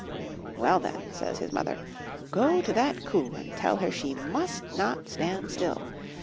'Well, then," says his mother, ''go to that COO and tell her she MUST NOT stand still.